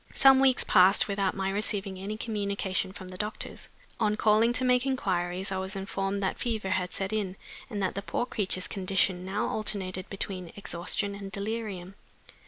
Some weeks passed without my receiving any communication from the doctors. On calling to make inquiries I was informed that fever had set in, and that the poor creature's condition now alternated between exhaustion and delirium.